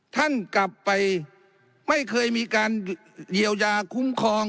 ท่านกลับไปไม่เคยมีการเยียวยาคุ้มครอง